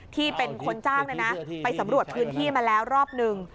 ที่เป็นคนจ้างไปสำรวจพื้นที่มาแล้วรอบหนึ่ง